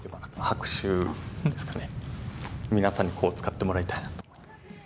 拍手ですかね、皆さんにこう使ってもらいたいなと思います。